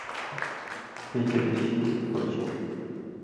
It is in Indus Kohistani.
گِشے چے بِس شِدیۡ تھُو چے